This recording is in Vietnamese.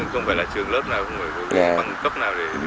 kinh nghiệm chứ không phải là trường lớp nào